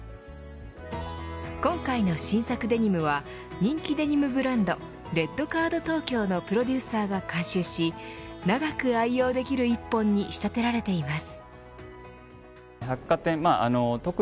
今回の新作デニムは人気デニムブランドＲＥＤＣＡＲＤＴＯＫＹＯのプロデューサーが監修し長く愛用できる一本に仕立てられています。